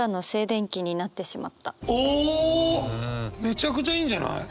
めちゃくちゃいいんじゃない。